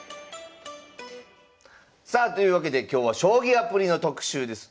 さあというわけで今日は将棋アプリの特集です。